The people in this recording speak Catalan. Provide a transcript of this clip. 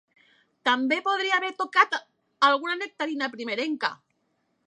També podria haver tocat alguna nectarina primerenca.